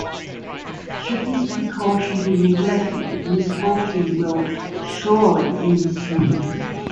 Should this precaution be neglected misfortune will surely ensue.